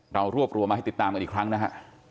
เรารวบรวมมาให้ติดตามกันอีกครั้งนะฮะ